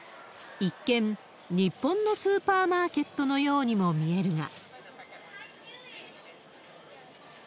一見、日本のスーパーマーケットのようにも見えるが。